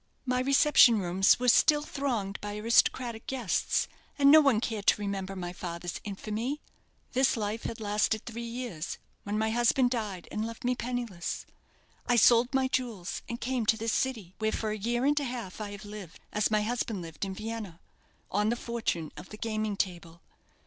My reception rooms were still thronged by aristocratic guests, and no one cared to remember my father's infamy. This life had lasted three years, when my husband died and left me penniless. I sold my jewels, and came to this city, where for a year and a half I have lived, as my husband lived in Vienna, on the fortune of the gaming table.